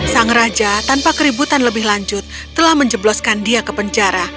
sang raja tanpa keributan lebih lanjut telah menjebloskan dia ke penjara